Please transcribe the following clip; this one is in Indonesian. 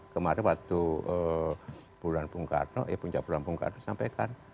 kemarin waktu bulan bung karno ya puncak bulan bung karno sampaikan